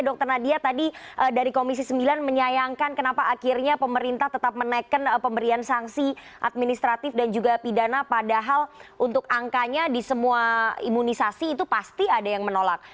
dr nadia tadi dari komisi sembilan menyayangkan kenapa akhirnya pemerintah tetap menaikkan pemberian sanksi administratif dan juga pidana padahal untuk angkanya di semua imunisasi itu pasti ada yang menolak